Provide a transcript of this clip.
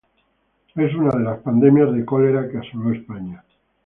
En una de las pandemias de cólera que asoló España.